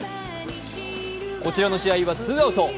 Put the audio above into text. こちらの試合はツーアウト。